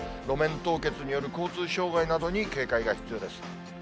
路面凍結による交通障害などに警戒が必要です。